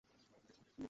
হার মেনো না।